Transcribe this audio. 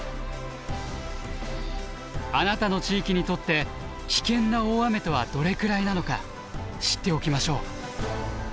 あなたの地域にとって危険な大雨とはどれくらいなのか知っておきましょう。